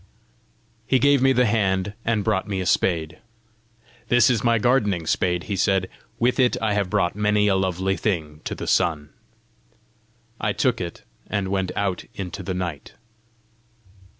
He gave me the hand, and brought me a spade. "This is my gardening spade," he said; "with it I have brought many a lovely thing to the sun." I took it, and went out into the night.